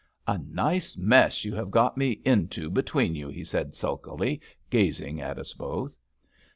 "A nice mess you have got me into between you," he said, sulkily gazing at us both.